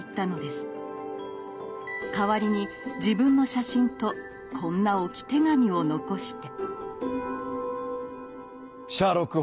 代わりに自分の写真とこんな置き手紙を残して。